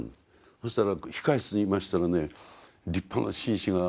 そしたら控え室にいましたらね立派な紳士が現れましてね